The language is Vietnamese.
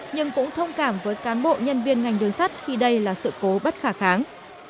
nhưng cũng thông cảm với cán bộ nhân viên ngành đường sắt khi đây là sự cố bất khả kháng